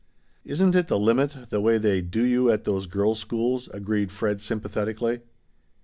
"Isn't it the limit the way they 'do you' at those girls' schools?" agreed Fred sympathetically.